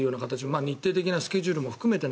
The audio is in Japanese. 日程的なスケジュールも含めて